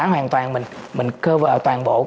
hoàn toàn mình cover toàn bộ